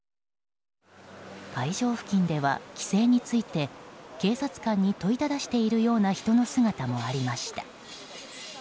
会場付近では規制について警察官に問いただしているような人の姿もありました。